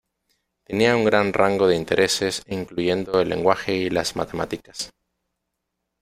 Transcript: Tenía un gran rango de intereses, incluyendo el lenguaje y las matemáticas.